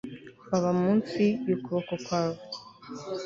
baba munsi y ukuboko kwabo